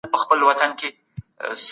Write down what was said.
هېواد نوې تیارو ته ننوت.